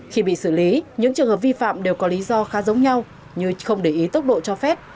khi bị xử lý những trường hợp vi phạm đều có lý do khá giống nhau như không để ý tốc độ cho phép